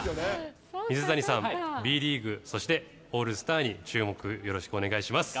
水谷さん、Ｂリーグ、そしてオールスターに注目、よろしくお願いします。